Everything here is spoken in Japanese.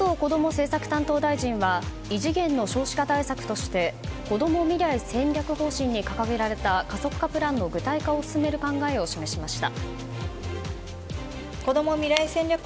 政策担当大臣は異次元の少子化対策としてこども未来戦略方針に掲げられた加速化プランの具体化を進める方針を示しました。